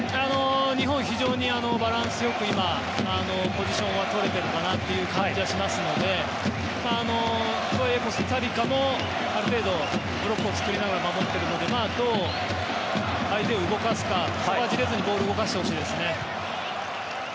日本、非常にバランスよく今、ポジションは取れているかなという感じはしますのでコスタリカもある程度ブロックを作りながら守っているのでどう相手を動かすかそこはじれずにボールを動かしてほしいですね。